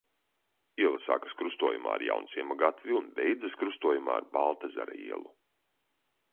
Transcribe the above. Iela sākas krustojumā ar Jaunciema gatvi un beidzas krustojumā ar Baltezera ielu.